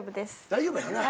大丈夫やよな。